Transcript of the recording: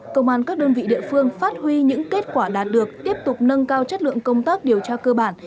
công an các đơn vị địa phương phát huy những kết quả đạt được tiếp tục nâng cao chất lượng công tác điều tra cơ bản